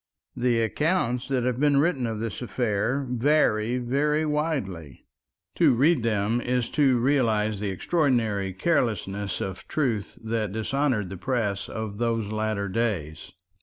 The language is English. The accounts that have been written of this affair vary very widely. To read them is to realize the extraordinary carelessness of truth that dishonored the press of those latter days.